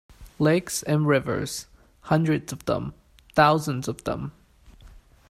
Lakes and rivers, hundreds of them, thousands of them.